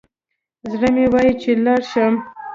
زړه مي وايي چي لاړ شم